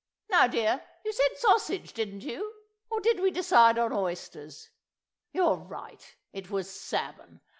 Now, dear, you said sausage, didn't you? Or did we decide on oysters? ... You're right; it was salmon.